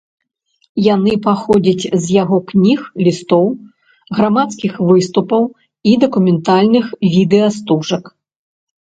Яны паходзяць з яго кніг, лістоў, грамадскіх выступаў і дакументальных відэастужак.